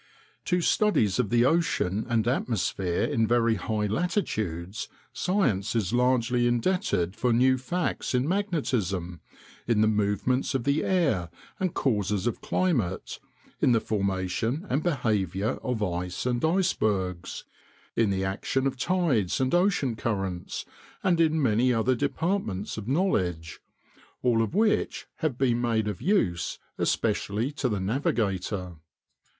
To studies of the ocean and atmosphere in very high latitudes science is largely indebted for new facts in magnetism, in the movements of the air and causes of climate, in the formation and behavior of ice and icebergs, in the action of tides and ocean currents, and in many other departments of knowledge, all of which have been made of use especially to the navigator.